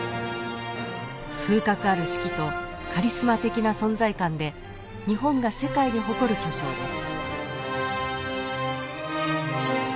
風格ある指揮とカリスマ的な存在感で日本が世界に誇る巨匠です。